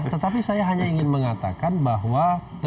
tetapi saya hanya ingin mengatakan bahwa